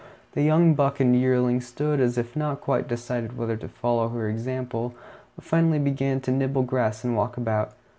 The young buck and yearling stood as if not quite decided whether to follow her example, but finally began to nibble grass and walk about.